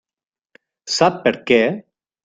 Sap per què?